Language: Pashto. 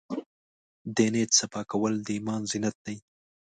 د نیت صفا کول د ایمان زینت دی.